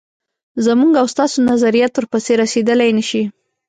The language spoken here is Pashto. زموږ او ستاسو نظریات ورپسې رسېدلای نه شي.